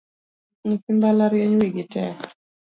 Nyithi mbalariany wigi tek